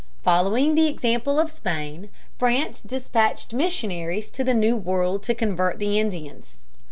Following the example of Spain, France dispatched missionaries to the New World to convert the Indians.